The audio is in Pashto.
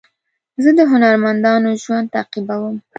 زه د هنرمندانو ژوند تعقیبوم.